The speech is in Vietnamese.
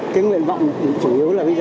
cái nguyện mộng chủ yếu là bây giờ